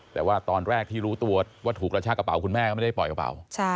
แต่ว่าตอนแรกที่รู้ตัวว่าถูกกระชากระเป๋าคุณแม่ก็ไม่ได้ปล่อยกระเป๋า